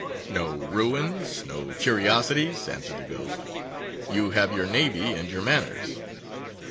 'No ruins! no curiosities!' answered the Ghost; 'you have your navy and your manners.